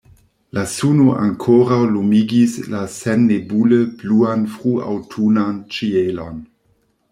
La suno ankoraŭ lumigis la sennebule bluan fruaŭtunan ĉielon.